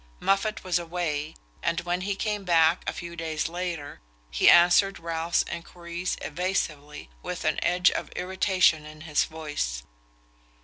Moffatt was away, and when he came back a few days later he answered Ralph's enquiries evasively, with an edge of irritation in his voice.